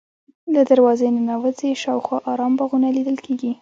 له دروازې ننوځې شاوخوا ارام باغونه لیدل کېږي.